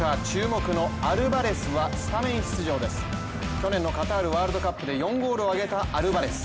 去年のカタールワールドカップで４ゴールを挙げたアルバレス。